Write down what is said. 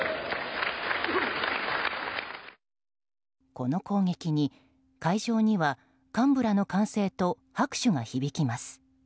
この攻撃に、会場には幹部らの歓声と拍手が響きます。